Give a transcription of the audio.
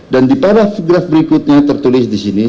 dan di paragraf berikutnya tertulis disini